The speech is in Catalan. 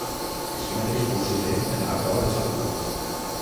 Així mateix fou sisè en la prova de salt curt.